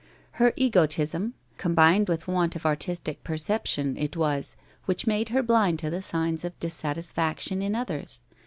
Her egotism, combined with want of artistic perception it was, which made her blind to the signs of dissatisfaction in others.